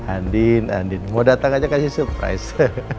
andin andin mau datang aja kasih surprise